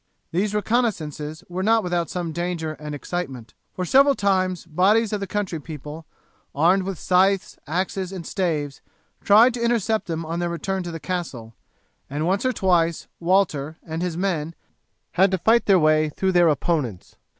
These reconnaissances were not without some danger and excitement, for several times bodies of the country people, armed with scythes, axes, and staves, tried to intercept them on their return to the castle, and once or twice Walter and his men had to fight their way through their opponents.